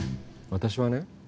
私はね